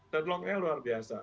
deadlocknya luar biasa